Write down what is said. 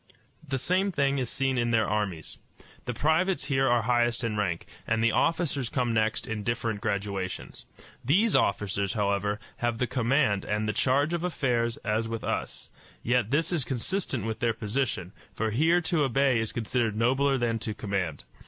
The same thing is seen in their armies. The privates here are highest in rank, and the officers come next in different graduations. These officers, however, have the command and the charge of affairs as with us; yet this is consistent with their position, for here to obey is considered nobler than to command.